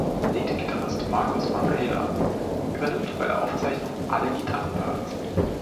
Lead-Gitarrist Markus Vanhala übernimmt bei der Aufzeichnung alle Gitarrenparts.